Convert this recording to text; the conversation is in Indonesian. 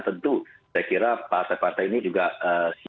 tentu saya kira partai partai ini juga siap